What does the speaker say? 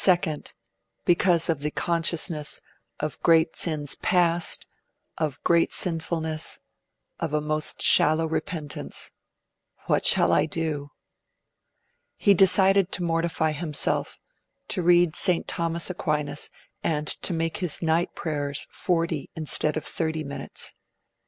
Because of the consciousness (1) of great sins past, (2) of great sinfulness, (3) of most shallow repentance. What shall I do?' He decided to mortify himself, to read St Thomas Aquinas, and to make his 'night prayers forty instead of thirty minutes'.